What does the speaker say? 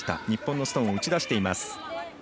日本のストーンを打ち出しています。